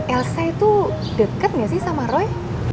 elsa itu dekat gak sih sama roy